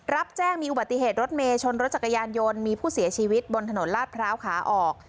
รับแจ้งมีอุบัติเหตุรถเมย์ชนรถจักรยานยนต์มีผู้เสียชีวิตบนถนนลาดพร้าวขาออก